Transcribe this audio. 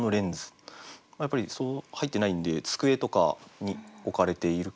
やっぱり入ってないんで机とかに置かれている。